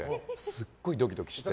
すごいドキドキして。